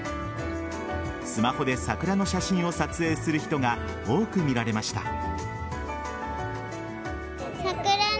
スマホで桜の写真を撮影する人が多く見られました。